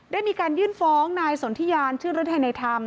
ได้มีการยื่นฟ้องนายสนทิยานชื่นฤทัยในธรรม